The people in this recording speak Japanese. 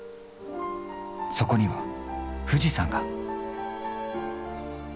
そこには富士山が。